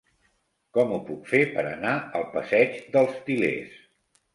Com ho puc fer per anar al passeig dels Til·lers?